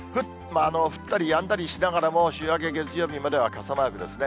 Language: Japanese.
降ったりやんだりしながらも、週明け月曜日までは傘マークですね。